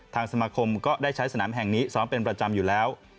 สมาคมก็ได้ใช้สนามแห่งนี้ซ้อมเป็นประจำอยู่แล้ว